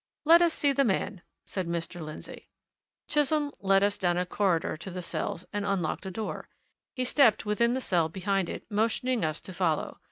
"Let us see the man," said Mr. Lindsey. Chisholm led us down a corridor to the cells, and unlocked a door. He stepped within the cell behind it, motioning us to follow.